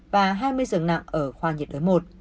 và hai mươi dường nặng ở khoa nhiệt đới một